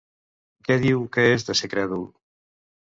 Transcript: Què diu que és de ser crèdul?